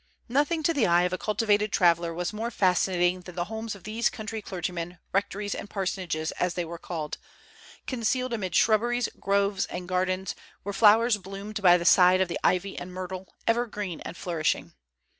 Nothing to the eye of a cultivated traveller was more fascinating than the homes of these country clergymen, rectories and parsonages as they were called, concealed amid shrubberies, groves, and gardens, where flowers bloomed by the side of the ivy and myrtle, ever green and flourishing.